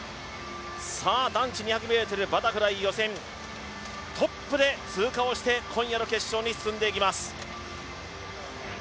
さあ、男子２００ｍバタフライ予選トップで通過をして、今夜の決勝に進んでいきます。